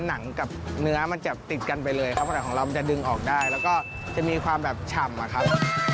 หนังกับเนื้อมันจะติดกันไปเลยครับภาษาของเรามันจะดึงออกได้แล้วก็จะมีความแบบฉ่ำอะครับ